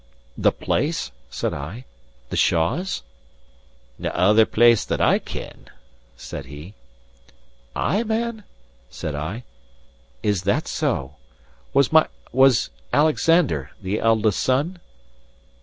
"The place?" said I. "The Shaws?" "Nae other place that I ken," said he. "Ay, man?" said I. "Is that so? Was my was Alexander the eldest son?"